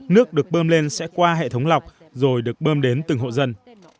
nước được bơm lên sẽ qua hệ thống lọc rồi được bơm đến từng hộ dân